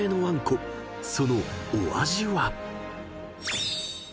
［そのお味は？］